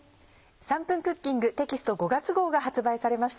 『３分クッキング』テキスト５月号が発売されました。